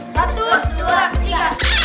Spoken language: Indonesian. satu dua tiga